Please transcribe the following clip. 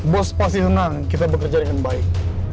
bos pasti senang kita bekerja dengan baik